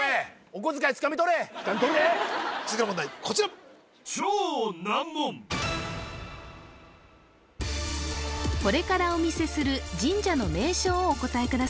こちらこれからお見せする神社の名称をお答え